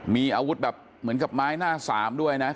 มีอาวุธแบบเหมือนกับไม้หน้าสามด้วยนะ